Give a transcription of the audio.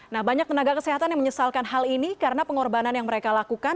nah banyak tenaga kesehatan yang menyesalkan hal ini karena pengorbanan yang mereka lakukan